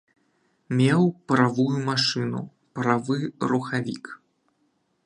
Меў паравую машыну, паравы рухавік.